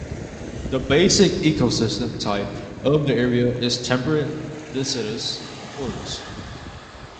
The basic ecosystem type of the area is temperate deciduous forest.